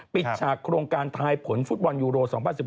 ฉากโครงการทายผลฟุตบอลยูโร๒๐๑๖